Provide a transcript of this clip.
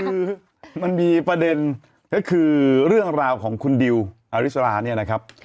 คือมันมีประเด็นก็คือเรื่องราวของคุณดิวอริสราเนี่ยนะครับ